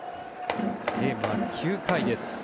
ゲームは９回です。